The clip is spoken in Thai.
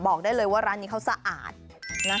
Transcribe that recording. บอกได้เลยว่าร้านนี้เขาสะอาดนะ